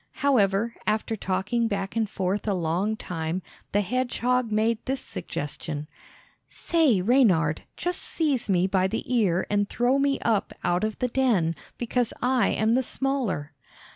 However, after talking back and forth a long time, the hedgehog made this suggestion: "Say, Reynard, just seize me by the ear and throw me up out of the den, because I am the smaller."